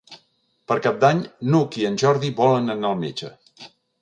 Per Cap d'Any n'Hug i en Jordi volen anar al metge.